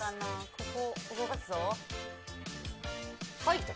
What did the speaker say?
ここ、動かすぞ。